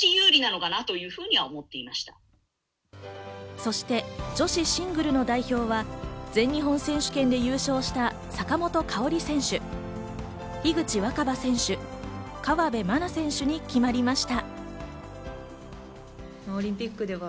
そして女子シングルの代表は全日本選手権で優勝した坂本花織選手、樋口新葉選手、河辺愛菜選手に決まりました。